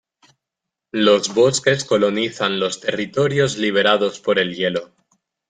Los bosques colonizan los territorios liberados por el hielo.